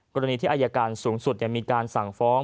กรณีที่อายการสูงสุดมีการสั่งฟ้อง